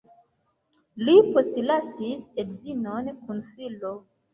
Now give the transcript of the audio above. Li postlasis edzinon kun filo.